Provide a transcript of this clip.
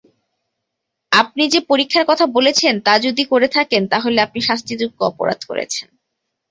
আপনি যে পরীক্ষার কথা বলেছেন তা যদি করে থাকেন তাহলে আপনি শাস্তিযোগ্য অপরাধ করেছেন।